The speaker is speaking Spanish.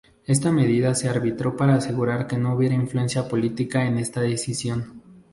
Esta medida se arbitró para asegurar que no hubiera influencia política en esta decisión.